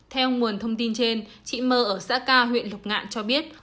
theo nguồn thông tin trên chị mơ ở xã ca huyện lục ngạn cho biết